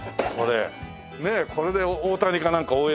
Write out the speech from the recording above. ねえこれで大谷かなんか応援すれば。